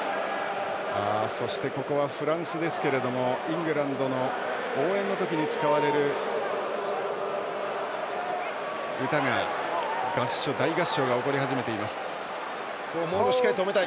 そして、ここはフランスですけれどもイングランドの応援の時に使われる歌が大合唱が起こり始めています。